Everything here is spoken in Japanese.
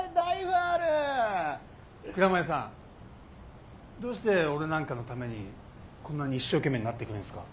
蔵前さんどうして俺なんかのためにこんなに一生懸命になってくれんすか？